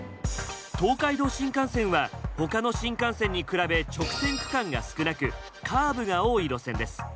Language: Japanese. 東海道新幹線は他の新幹線に比べ直線区間が少なくカーブが多い路線です。